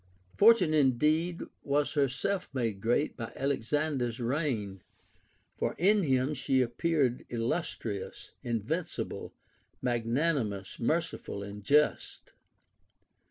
Fortune indeed was herself made great by Alexander's reign ; for in him she appeared illus trious, invincible, magnanimous, merciful, and just.